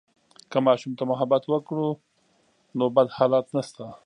که ماشوم ته محبت وکړو، نو بد حالات نشته.